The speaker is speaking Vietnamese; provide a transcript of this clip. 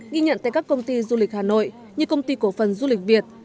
ghi nhận tại các công ty du lịch hà nội như công ty cổ phần du lịch việt